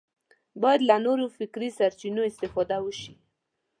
باید له نورو فکري سرچینو استفاده وشي